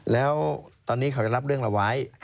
แล้วตอนนี้เขาจะรับเรื่องเราไว้